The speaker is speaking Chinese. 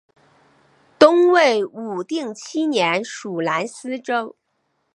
东魏武定七年属南司州。